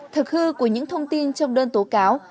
thực hư của những thông tin trong đơn tố cáo